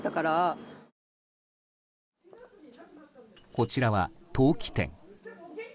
こちらは陶器店。